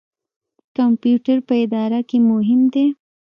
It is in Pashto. کمپیوټر په اداره کې مهم دی